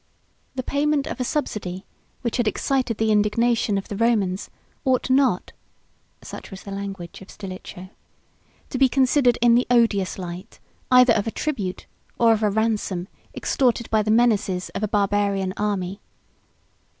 "The payment of a subsidy, which had excited the indignation of the Romans, ought not (such was the language of Stilicho) to be considered in the odious light, either of a tribute, or of a ransom, extorted by the menaces of a Barbarian enemy.